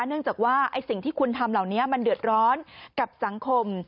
เนื่องจากว่าสิ่งที่คุณทำเหล่านี้มันเดือดร้อนกับสังคม